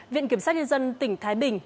viện kiểm soát nhân dân tỉnh thái bình